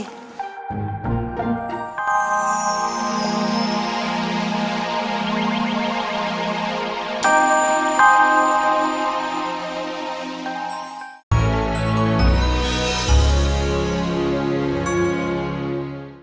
eh itu dia jiralan untuk nanti